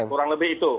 kurang lebih itu